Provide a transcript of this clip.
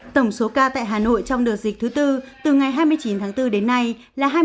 tổng số ca tại hà nội trong đợt dịch thứ tư từ ngày hai mươi chín tháng bốn đến nay là hai mươi tám sáu trăm chín mươi bốn ca